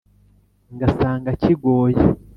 Ngasanga kigoye